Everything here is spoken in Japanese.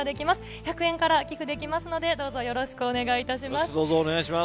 １００円から寄付できますので、どうぞよろしくお願いいたします。